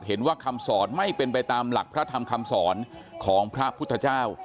เห็นว่าคำสอนไม่เป็นไปตามหลักพระธรรมคำสอนของพระพุทธเจ้า